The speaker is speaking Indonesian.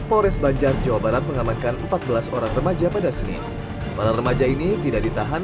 polres banjar jawa barat mengamankan empat belas orang remaja pada senin para remaja ini tidak ditahan